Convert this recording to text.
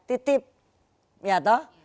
titip ya toh